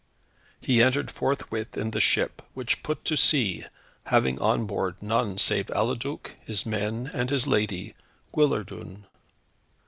He entered forthwith in the ship, which put to sea, having on board none, save Eliduc, his men, and his lady, Guillardun.